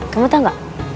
kamu tau gak